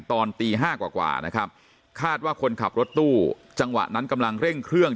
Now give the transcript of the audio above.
ตอนตี๕กว่านะครับคาดว่าคนขับรถตู้จังหวะนั้นกำลังเร่งเครื่อง